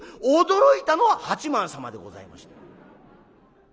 驚いたのは八幡様でございまして。